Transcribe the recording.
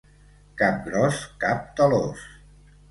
Cap gros, cap talòs.